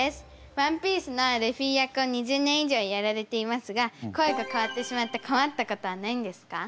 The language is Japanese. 「ＯＮＥＰＩＥＣＥ」のルフィ役を２０年以上やられていますが声が変わってしまってこまったことはないんですか？